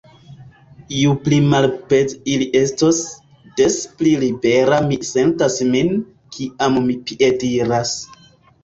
Ju pli malpeze ili estos, des pli libera mi sentas min, kiam mi piediras.